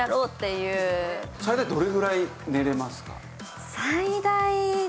最大どれくらい寝れますか？